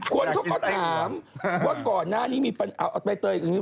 ควรเขาก็ถามว่าก่อนหน้านี้มีปัญหาเอาไปเตยอีกนิดนึง